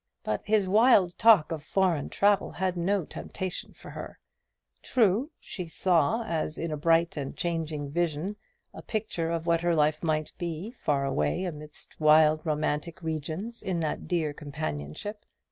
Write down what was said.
But his wild talk of foreign travel had no temptation for her. True, she saw as in a bright and changing vision a picture of what her life might be far away amidst wild romantic regions in that dear companionship.